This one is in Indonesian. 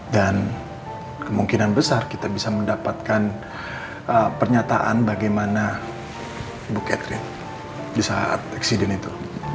dan kemungkinan besar kita bisa mendapatkan pernyataan bagaimana ibu catherine di saat eksiden itu